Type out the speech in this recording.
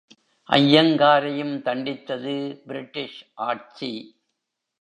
ஐயங்காரையும் தண்டித்தது பிரிட்டிஷ் ஆட்சி.